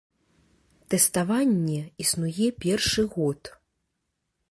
Тэставанне існуе першы год.